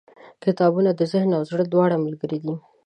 • کتابونه د ذهن او زړه دواړو ملګري دي.